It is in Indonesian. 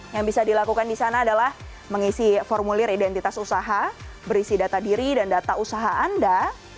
yang bisa dilakukan di sana adalah mengisi formulir identitas usaha berisi data diri dan data usaha anda